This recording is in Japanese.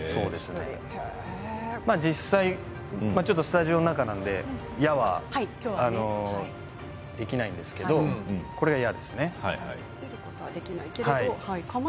実際、スタジオの中なので矢はできないんですけどこれが矢ですね。